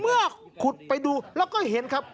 เมื่อคุดไปดูก็เห็นครับ